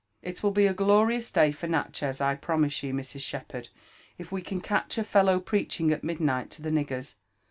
It will be a glorious day for Natchez I promise you, Mrs. Shepherd, if we can catch a fel low preaching at midnight to the niggers.